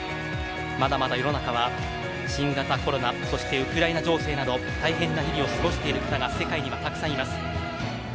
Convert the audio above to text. まだまだ世の中は新型コロナ、そしてウクライナ情勢など大変な日々を過ごしている方が世界には、たくさんいます。